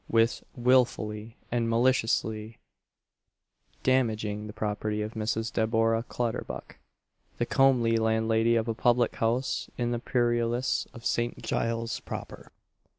with wilfully and maliciously damaging the property of Mrs. Deborah Clutterbuck the comely landlady of a public house in the purlieus of St. Giles's proper.